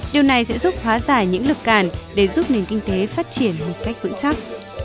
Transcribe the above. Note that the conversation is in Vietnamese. điều này sẽ giúp hóa giải những lực cản để giúp nền kinh tế phát triển một cách vững chắc